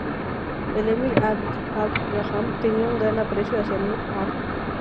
El emir Abd Ar-Rahman tenía un gran aprecio hacia Mut´a.